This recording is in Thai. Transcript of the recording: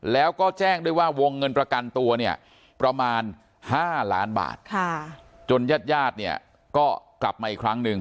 แล้วก็แจ้งด้วยว่าวงเงินประกันตัวเนี่ยประมาณ๕ล้านบาทจนญาติญาติเนี่ยก็กลับมาอีกครั้งหนึ่ง